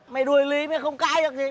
mày đuổi lý mày không cãi được gì